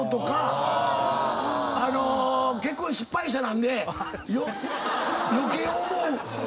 結婚失敗者なんで余計思う。